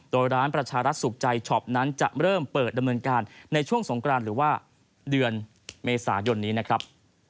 โดยร้านประชารัฐสุขใจช็อปนั้นจะเริ่มเปิดดำเนินการในช่วงสงกรานหรือว่าเดือนเมษายนนี้นะครับ